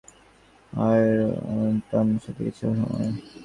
সহকর্মী পদার্থবিদ হারথা আয়রটনের সাথে কিছু সময়